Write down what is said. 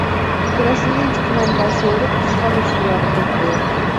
Керосиндин жытынан башы ооруп, кускан учурлары көп болот.